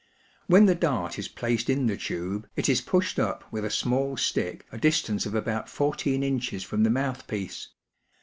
When the dart is placed in the tube, it is pushed up with a small stick a distance of about fourteen inches from the mouthpiece.